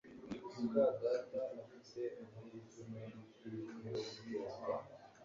muka data afite amahirwe menshi yo gutorwa